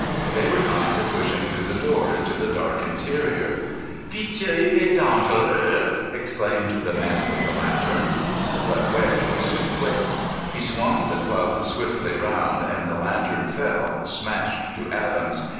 They were trying to push him through the door into the dark interior. "Vite! Il est dangereux!" exclaimed the man with the lantern. But Wedge was too quick. He swung the club swiftly round, and the lantern fell, smashed to atoms.